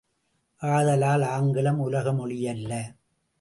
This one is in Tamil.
ஆதலால் ஆங்கிலம் உலக மொழியல்ல!